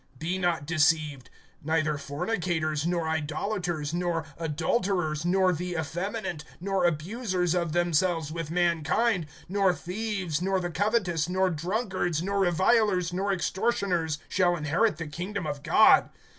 Be not deceived; neither fornicators, nor idolaters, nor adulterers, nor the effeminate, nor abusers of themselves with mankind, (10)nor thieves, nor the covetous, nor drunkards, nor revilers, nor extortioners, shall inherit the kingdom of God.